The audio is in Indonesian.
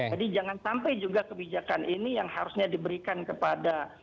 jadi jangan sampai juga kebijakan ini yang harusnya diberikan kepada